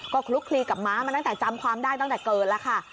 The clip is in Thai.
ก็คลุกคลีกับม้ามาตั้งแต่จำความได้ตั้งแต่เกิดแล้วค่ะ